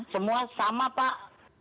semua sama pak